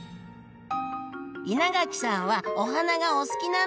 稲垣さんはお花がお好きなんですよね？